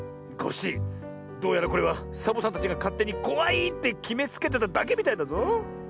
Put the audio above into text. コッシーどうやらこれはサボさんたちがかってにこわいってきめつけてただけみたいだぞ。